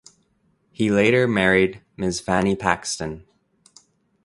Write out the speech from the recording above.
He later married Ms Fannie Paxton.